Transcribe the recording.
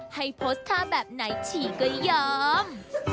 ให้โพสต์ท่าแบบไหนฉี่ก็ยอม